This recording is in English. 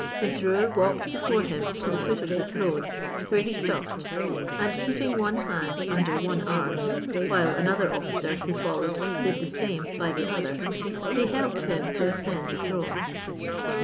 Mesrour walked before him to the foot of the throne, where he stopped, and putting one hand under one arm, while another officer who followed did the same by the other, they helped him to ascend the throne.